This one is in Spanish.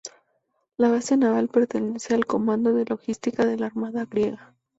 La base Naval pertenece al "Comando de Logística de la Armada griega.